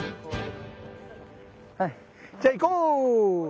じゃあ行こう！